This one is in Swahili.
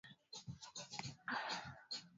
Epua na tenga pembeni maharage